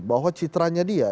bahwa citranya dia